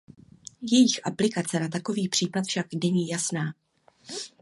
Jejich aplikace na takovýto případ však není jasná.